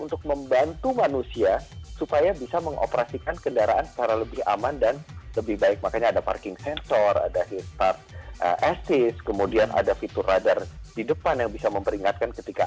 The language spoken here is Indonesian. tentunya semua pihak berusaha menghindari kemungkinan paling buruk dari cara menghidupkan mobil mobil otonom ini